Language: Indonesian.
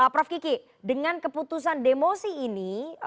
prof kiki dengan keputusan demosi ini